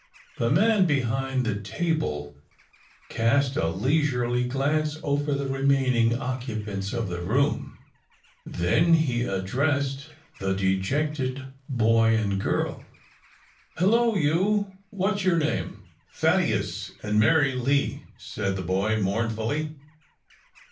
The man behind the table cast a leisurely glance over the remaining occupants of the room. Then he addressed the dejected boy and girl. "Hello, you! what's your name?" "Thaddeus and Mary Lee," said the boy, mournfully.